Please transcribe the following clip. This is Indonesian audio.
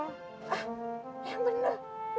ah ya bener